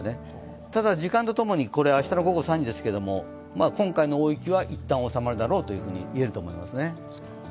ただ、時間と共に、明日の午後３時ですけれども今回の大雪は一旦収まるだろうと言えますね。